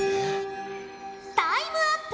タイムアップ。